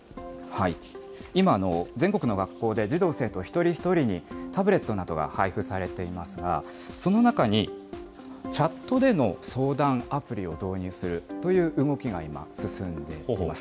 今、全国の学校で児童・生徒一人一人にタブレットなどが配布されていますが、その中に、チャットでの相談アプリを導入するという動きが今、進んでいます。